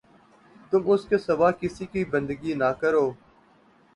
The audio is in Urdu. تم اس کے سوا کسی کی بندگی نہ کرو